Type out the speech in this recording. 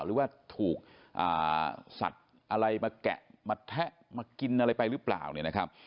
หรือว่าถูกสัตว์อะไรมาแกะมาแทะมากินอะไรไปหรือเปล่าเนี่ยนะครับ